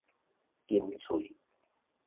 金喙